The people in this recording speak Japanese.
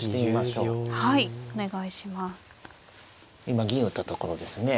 今銀打ったところですね。